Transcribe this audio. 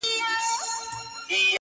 لکه وطن چې وکړم پيل په جوړېدو؛ ورانېږم